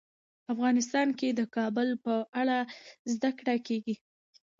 افغانستان کې د کابل په اړه زده کړه کېږي.